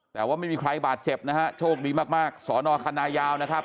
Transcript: แต่ว่าไม่มีใครบาดเจ็บนะฮะโชคดีมากมากสอนอคันนายาวนะครับ